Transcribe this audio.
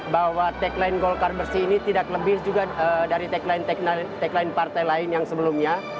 bahwa tagline golkar bersih ini tidak lebih juga dari tagline partai lain yang sebelumnya